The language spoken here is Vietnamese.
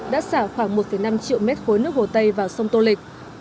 đã xả khoảng một năm triệu mét khối nước hồ tây vào sông tô lịch